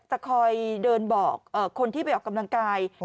จะคอยเดินบอกคนที่ไปออกกำลังกาย